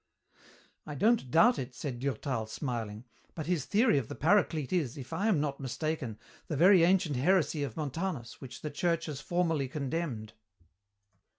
"I don't doubt it," said Durtal, smiling, "but his theory of the Paraclete is, if I am not mistaken, the very ancient heresy of Montanus which the Church has formally condemned."